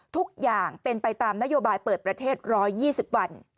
ทุกอย่างเป็นไปตามนโยบายเปิดประเทศ๑๒๐วัน